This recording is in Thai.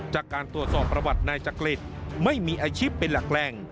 จากการตรวจสอบประวัตินายจักริตไม่มีอาชีพเป็นหลักแหล่ง